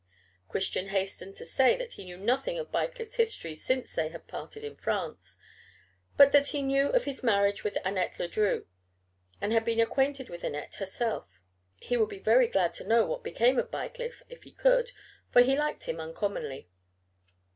Christian hastened to say that he knew nothing of Bycliffe's history since they had parted in France, but that he knew of his marriage with Annette Ledru, and had been acquainted with Annette herself. He would be very glad to know what became of Bycliffe, if he could, for he liked him uncommonly.